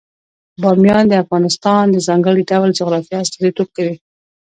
بامیان د افغانستان د ځانګړي ډول جغرافیه استازیتوب کوي.